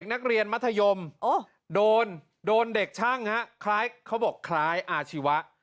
นักเรียนมัธยมโดนเด็กช่างเขาบอกคลายอ่าชีวะ